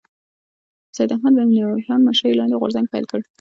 سید احمد بن عرفان مشرۍ لاندې غورځنګ پيل کړ